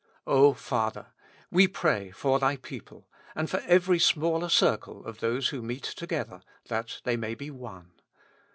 O Father ! we pray for Thy people, and for every smaller circle of those who meet together, that they may be one.